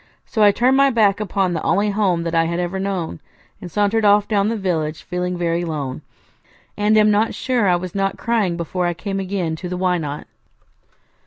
So I turned my back upon the only home that I had ever known, and sauntered off down the village, feeling very lone, and am not sure I was not crying before I came again to the Why Not?